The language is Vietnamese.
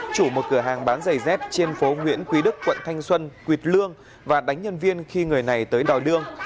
chủ một cửa hàng bán giày dép trên phố nguyễn quý đức quận thanh xuân quỳt lương và đánh nhân viên khi người này tới đòi lương